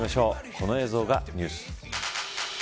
この映像がニュース。